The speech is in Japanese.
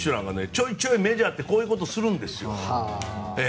ちょいちょいメジャーってこういうことをするんです。